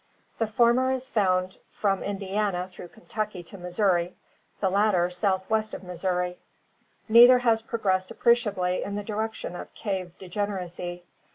The former is found from Indiana through Kentucky to Missouri, the latter southwest of Missouri. Neither has progressed appreciably in the direction of cave degeneracy.